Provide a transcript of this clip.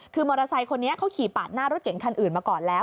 คือมอเตอร์ไซค์คนนี้เขาขี่ปาดหน้ารถเก่งคันอื่นมาก่อนแล้ว